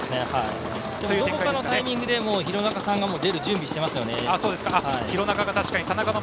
どこかのタイミングで廣中さんは出る準備していますよね。